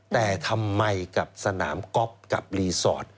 แต่ทำไมกับสนามก๊อฟกับรีสอร์ท